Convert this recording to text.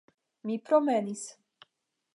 Mi promenis.